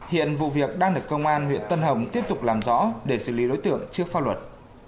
hiện vụ việc đang được công an huyện tân hồng tiếp tục làm rõ để xử lý đối tượng trước pháp luật